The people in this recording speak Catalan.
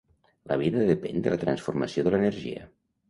La vida depèn de la transformació de l'energia.